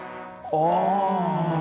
ああ。